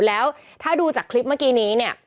แล้วถ้าดูจากคลิปเมื่อกี้นี้เนี่ย